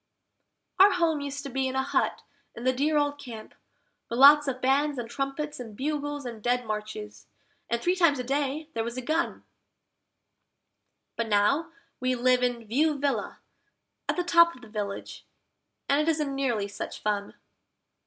Our home used to be in a hut in the dear old Camp, with lots of bands and trumpets and bugles and Dead Marches, and three times a day there was a gun, But now we live in View Villa at the top of the village, and it isn't nearly such fun.